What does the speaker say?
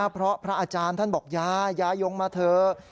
เพราะพระอาจารย์ท่านบอกยายยายงมาเถอะ